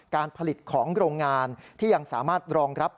การผลิตของโรงงานที่ยังสามารถรองรับ